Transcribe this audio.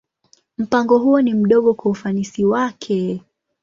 Mpango huo ni mdogo kwa ufanisi wake.